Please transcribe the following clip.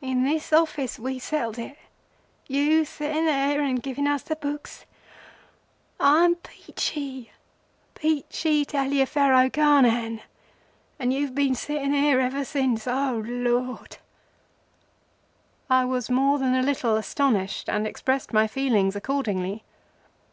In this office we settled it—you setting there and giving us the books. I am Peachey—Peachey Taliaferro Carnehan, and you've been setting here ever since—O Lord!" I was more than a little astonished, and expressed my feelings accordingly.